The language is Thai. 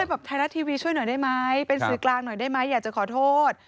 แบบไทยรัฐทีวีช่วยหน่อยได้ไหมเป็นสื่อกลางหน่อยได้ไหมอยากจะขอโทษ